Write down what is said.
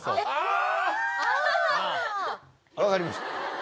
・分かりました。